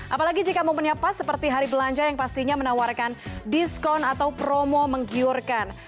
apalagi jika momennya pas seperti hari belanja yang pastinya menawarkan diskon atau promo menggiurkan